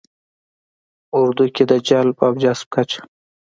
ه اردو کې د جلب او جذب کچه